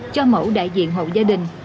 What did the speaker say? cho mẫu đại diện hậu gia đình